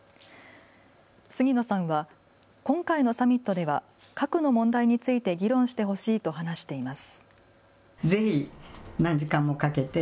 杉野さんは今回のサミットでは核の問題について議論してほしいと話しています。